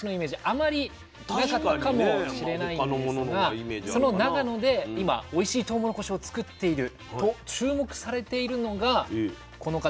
あまりなかったかもしれないんですがその長野で今おいしいとうもろこしを作っていると注目されているのがこの方です。